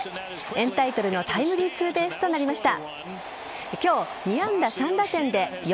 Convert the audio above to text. エンタイトルのタイムリーツーベースとなりました。